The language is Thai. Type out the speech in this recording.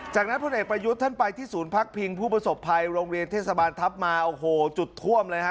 จากนั้นพลเอกประยุทธ์ท่านไปที่ศูนย์พักพิงผู้ประสบภัยโรงเรียนเทศบาลทัพมาโอ้โหจุดท่วมเลยฮะ